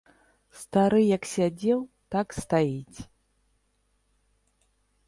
Стары як сядзеў, так стаіць.